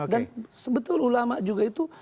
dan sebetulnya ulama juga itu